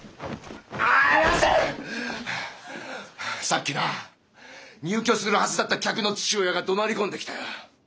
さっきな入居するはずだった客の父親がどなり込んできたよ。